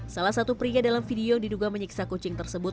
salah satu pria dalam video yang diduga menyiksa kucing tersebut